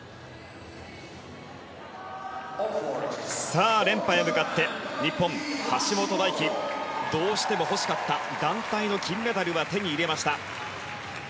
さあ連覇へ向かって日本、橋本大輝。どうしても欲しかった団体の金メダルは手に入れました。